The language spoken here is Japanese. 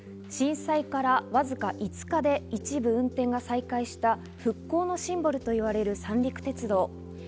震災からわずか５日で一部運転が再開した、復興のシンボルといわれる三陸鉄道。